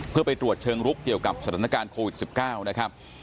เพื่อไปตรวจเชิงลุกเกี่ยวกับสถานการณ์โควิด๑๙นะครับ